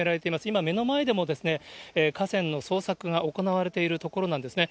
今、目の前でも河川の捜索が行われているところなんですね。